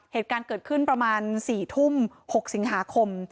เหตุการณ์เกิดขึ้นประมาณ๔ทุ่ม๖สิงหาคม